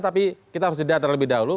tapi kita harus jeda terlebih dahulu